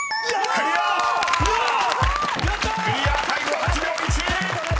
［クリアタイム８秒１！］